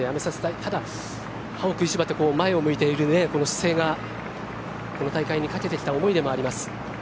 ただ、歯を食いしばって前を向いているこの姿勢がこの大会にかけてきた思いでもあります。